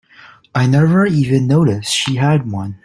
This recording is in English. I never even noticed she had one.